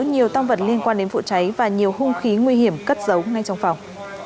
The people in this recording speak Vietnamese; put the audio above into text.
nhiều tăng vật liên quan đến vụ cháy và nhiều hung khí nguy hiểm cất giấu ngay trong phòng